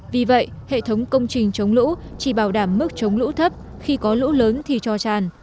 vì vậy hệ thống công trình chống lũ chỉ bảo đảm mức chống lũ thấp khi có lũ lớn thì cho tràn